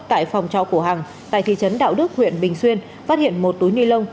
tại phòng trọ của hằng tại thị trấn đạo đức huyện bình xuyên phát hiện một túi ni lông